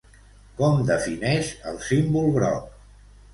Com defineix el símbol groc?